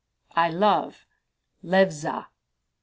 "I love Levza."